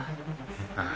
ああ。